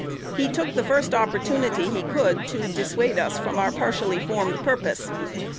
He took the first opportunity he could to dissuade us from our partially formed purpose.